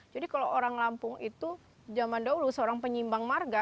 jadi kalau orang lampung itu zaman dahulu seorang penyimbang marga